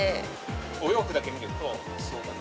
お洋服だけ見ると、暑そう。